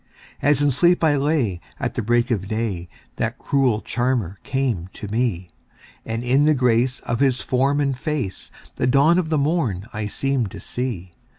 As in sleep I lay at the break of day that cruel charmer came to me, And in the grace of his form and face the dawn of the morn I seemed to see.